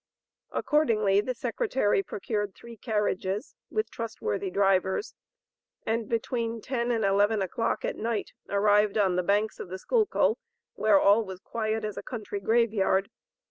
Accordingly the Secretary procured three carriages, with trustworthy drivers, and between ten and eleven o'clock at night arrived on the banks of the Schuylkill, where all was quiet as a "country grave yard."